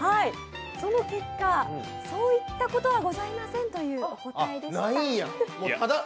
その結果、そういったことはございませんというお答えでした。